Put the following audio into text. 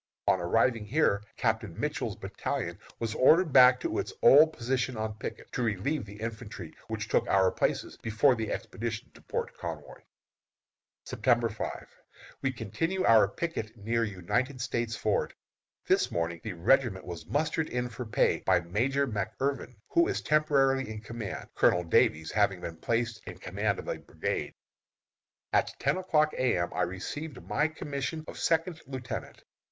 On arriving here, Captain Mitchell's battalion was ordered back to its old position on picket, to relieve the infantry which took our places before the expedition to Port Conway. September 5. We continue on picket near United States Ford. This morning the regiment was mustered in for pay by Major McIrvin, who is temporarily in command, Colonel Davies having been placed in command of a brigade. At ten o'clock A. M. I received my commission of second lieutenant.